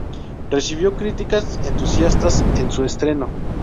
Recibió críticas entusiastas en su estreno.